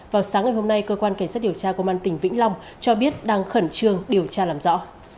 vào sáng ngày hôm nay cơ quan cảnh sát điều tra công an tỉnh vĩnh long cho biết đang khẩn trương điều tra làm rõ